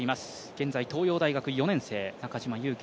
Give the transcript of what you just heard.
現在東洋大学４年生、中島佑気